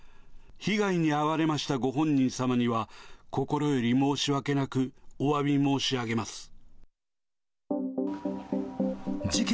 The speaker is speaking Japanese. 被害に遭われましたご本人様には、心より申し訳なく、おわび申し上げます。